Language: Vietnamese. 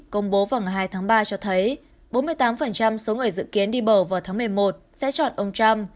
công bố vào ngày hai tháng ba cho thấy bốn mươi tám số người dự kiến đi bầu vào tháng một mươi một sẽ chọn ông trump